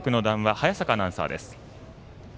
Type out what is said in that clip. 早坂アナウンサーです。